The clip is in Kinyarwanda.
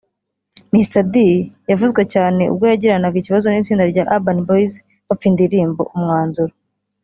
Mr D yavuzwe cyane ubwo yagiranaga ikibazo n’itsinda rya Urban Boys bapfa indirimbo ’Umwanzuro’